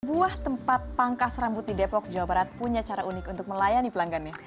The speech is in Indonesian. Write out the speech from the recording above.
sebuah tempat pangkas rambut di depok jawa barat punya cara unik untuk melayani pelanggannya